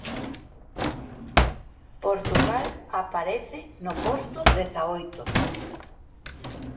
Portugal aparece no posto dezaoito.